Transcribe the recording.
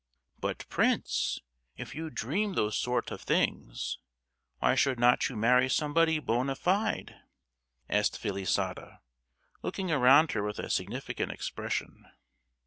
"But, prince, if you dream those sort of things, why should not you marry somebody bona fide?" asked Felisata, looking around her with a significant expression.